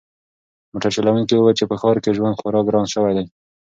موټر چلونکي وویل چې په ښار کې ژوند خورا ګران شوی دی.